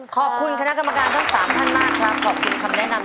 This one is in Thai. ขอบคุณคณะกำรับประกาศพี่มีคำแนะนำ